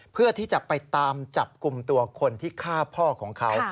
เพื่อที่จะไปตามจับกลุ่มตัวคนที่ฆ่าพ่อของเขา